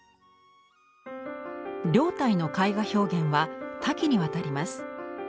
凌岱の絵画表現は多岐にわたります。